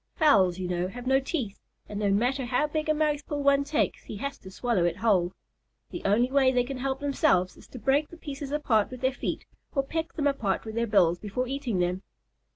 Fowls, you know, have no teeth, and no matter how big a mouthful one takes he has to swallow it whole. The only way they can help themselves is to break the pieces apart with their feet or peck them apart with their bills before eating them.